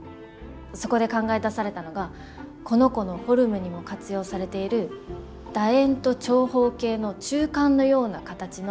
そこで考え出されたのがこの子のフォルムにも活用されている楕円と長方形の中間のような形の。